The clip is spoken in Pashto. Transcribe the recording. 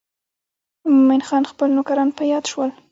مومن خان خپل نوکران په یاد شول.